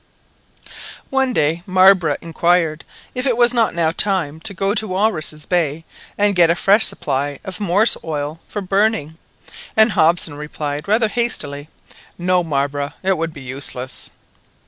One day Marbre inquired if it was not now time to go to Walruses' Bay, and get a fresh supply of morse oil for burning, and Hobson replied rather hastily— "No, Marbre; it would be useless."